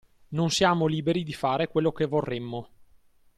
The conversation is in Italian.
Non siamo liberi di fare quello che vorremmo